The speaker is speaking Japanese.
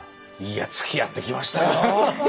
いやつきあってきましたよ！